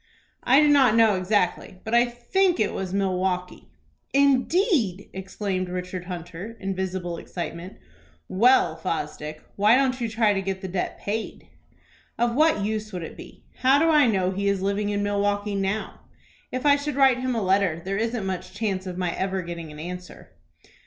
"I do not know exactly, but I think it was Milwaukie." "Indeed!" exclaimed Richard Hunter, in visible excitement. "Well, Fosdick, why don't you try to get the debt paid?" "Of what use would it be? How do I know he is living in Milkwaukie now? If I should write him a letter, there isn't much chance of my ever getting an answer."